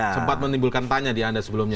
sempat menimbulkan tanya di anda sebelumnya